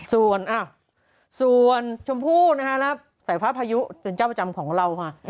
ส่วนอ้าวส่วนชมผู้นะฮะแล้วสายภาพพายุเป็นเจ้าประจำของเราน่ะ